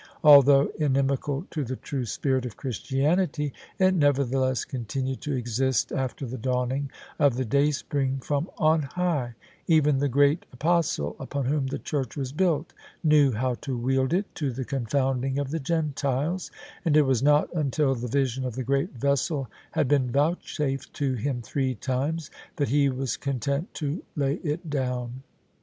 Although inimical to the true spirit of Christianity, it nevertheless continued to exist after the dawning of the dayspring from on high: even the great Apostle, upon whom the Church was built, knew how to wield it to the confounding of the Gentiles : and it was not until the vision of the great vessel had been vouchsafed to him three times, that he was content to lay it down.